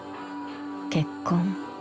結婚。